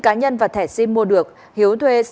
cá nhân và thẻ sim mua được hiếu thuê